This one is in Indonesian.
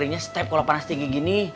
ngerinya setiap kalau panas tinggi gini